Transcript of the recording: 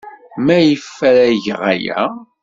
Maɣef ara geɣ aya?